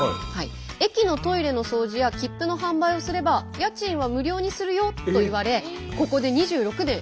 「駅のトイレの掃除や切符の販売をすれば家賃は無料にするよ」と言われ２６年？